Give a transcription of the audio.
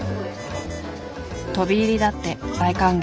飛び入りだって大歓迎。